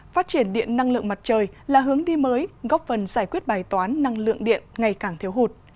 phát triển điện năng lượng mặt trời là hướng đi mới góp phần giải quyết bài toán năng lượng điện ngày càng thiếu hụt